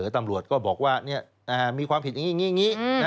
ตำรวจก็บอกว่าเนี่ยมีความผิดอย่างนี้